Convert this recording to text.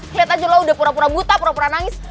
lihat aja lah udah pura pura buta pura pura nangis